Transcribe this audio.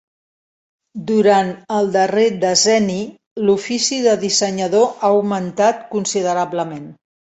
Durant el darrer decenni, l'ofici de dissenyador ha augmentat considerablement.